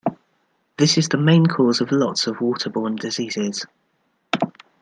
This is the main cause of lots of water borne diseases.